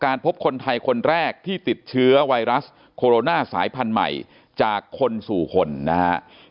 พบคนไทยคนแรกที่ติดเชื้อไวรัสโคโรนาสายพันธุ์ใหม่จากคนสู่คนนะครับ